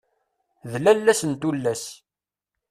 D lalla-s n tullas!